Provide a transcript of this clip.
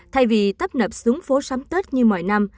thay vì tấp nập xuống phố sắm tết như mọi năm